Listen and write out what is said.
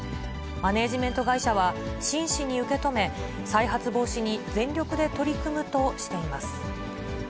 マネージメント会社は、真摯に受け止め、再発防止に全力で取り組むとしています。